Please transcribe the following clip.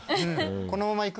このままいく？